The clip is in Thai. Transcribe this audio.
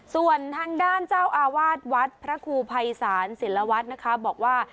ส่วนทางด้านเจ้าอาวาสวัดพระครูภัยศาลศิลวัฒน์นะคะบอกว่า